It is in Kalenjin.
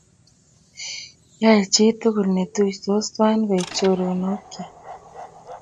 yoe chii tugul netuisot tuwai koek chorondochik